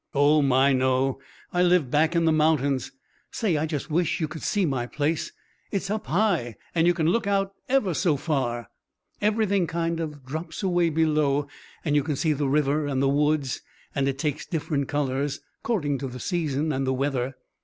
"Oh, my, no. I live back in the mountains. Say, I just wish you could see my place. It's up high, and you can look out, ever so far everything kind of drops away below, and you can see the river and the woods, and it takes different colours, 'cording to the season and the weather.